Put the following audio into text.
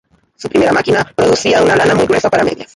Su primera máquina producía una lana muy gruesa para medias.